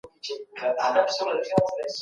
ولې ځینې خلک پر سیاست شک کوي؟